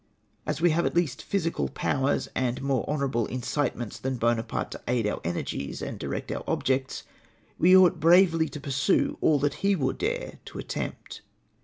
As we have at least physical powers, and more honourable incitements than Buonaparte to aid our energies and direct our objects, we ought bravely to pursue all that he would dare to attempt.